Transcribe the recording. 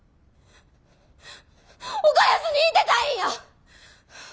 岡安にいてたいんや！